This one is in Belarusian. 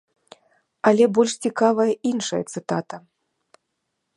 Але больш цікавая іншая цытата.